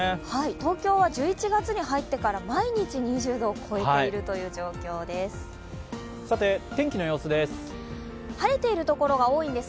東京は１１月に入ってから毎日２０度を超えている状況です。